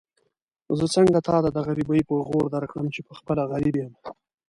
زه څنګه تاته د غريبۍ پېغور درکړم چې پخپله غريب يم.